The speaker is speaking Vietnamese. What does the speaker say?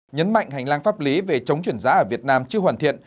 nhấn mạnh hành lang pháp lý về chống chuyển giá ở việt nam chưa hoàn thiện